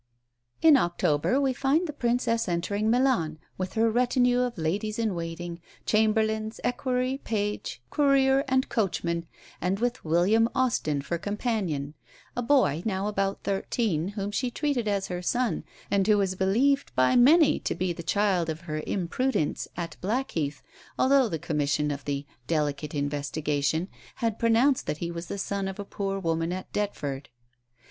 In October we find the Princess entering Milan, with her retinue of ladies in waiting, chamberlains, equerry, page, courier, and coachman, and with William Austin for companion a boy, now about thirteen, whom she treated as her son, and who was believed by many to be the child of her imprudence at Blackheath, although the Commission of the "Delicate Investigation" had pronounced that he was son of a poor woman at Deptford.